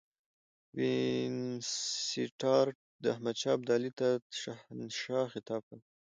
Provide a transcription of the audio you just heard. وینسیټارټ احمدشاه ابدالي ته شهنشاه خطاب کاوه.